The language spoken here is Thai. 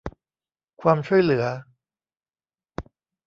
ความช่วยเหลือ